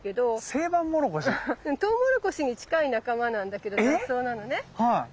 セイバンモロコシ？トウモロコシに近い仲間なんだけど雑草なのね。